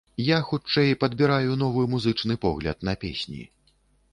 Я, хутчэй, падбіраю новы музычны погляд на песні.